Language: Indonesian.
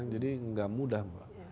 jadi gak mudah